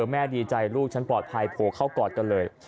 แม่ดีใจลูกฉันปลอดภัยโผล่เข้ากอดกันเลย